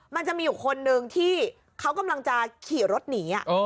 มันจะมีอยู่คนนึงที่เขากำลังจะขี่รถหนี